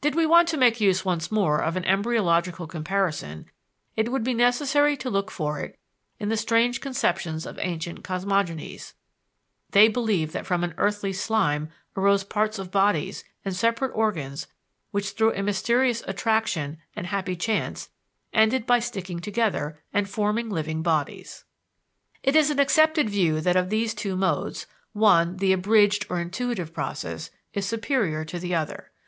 Did we want to make use once more of an embryological comparison, it would be necessary to look for it in the strange conceptions of ancient cosmogonies: they believed that from an earthly slime arose parts of bodies and separate organs which through a mysterious attraction and happy chance ended by sticking together, and forming living bodies. It is an accepted view that of these two modes, one, the abridged or intuitive process, is superior to the other.